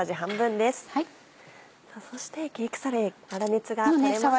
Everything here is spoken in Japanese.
そしてケークサレ粗熱が取れました。